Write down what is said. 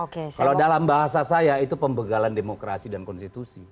kalau dalam bahasa saya itu pembegalan demokrasi dan konstitusi